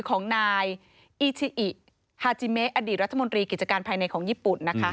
ของนายอีชิอิฮาจิเมะอดีตรัฐมนตรีกิจการภายในของญี่ปุ่นนะคะ